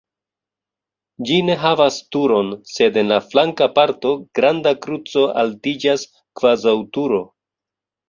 Ĝi ne havas turon, sed en la flanka parto granda kruco altiĝas kvazaŭ turo.